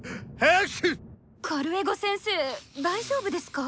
・カルエゴ先生大丈夫ですか？